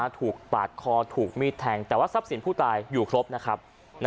ปาดคอถูกมีดแทงแต่ว่าทรัพย์สินผู้ตายอยู่ครบนะครับ